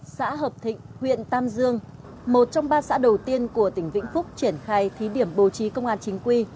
xã hợp thịnh huyện tam dương một trong ba xã đầu tiên của tỉnh vĩnh phúc triển khai thí điểm bố trí công an chính quy